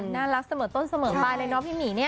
น่ารักเสมอต้นเสมอไปเลยเนาะพี่หมีเนี่ย